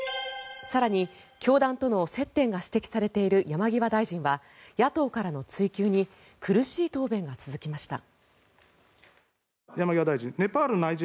更に、教団との接点が指摘されている山際大臣は野党からの追及に苦しい答弁が続きました。